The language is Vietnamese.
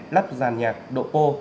lắp giàn nhạc độ pô